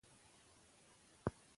د خلکو غږ د نظام د سمون لار ده